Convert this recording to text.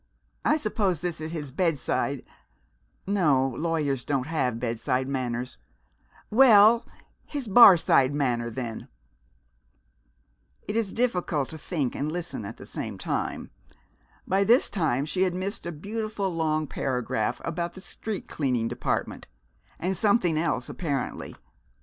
I suppose this is his bedside no, lawyers don't have bedside manners well, his barside manner, then " It is difficult to think and listen at the same time: by this time she had missed a beautiful long paragraph about the Street Cleaning Department; and something else, apparently.